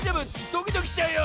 ドキドキしちゃうよ！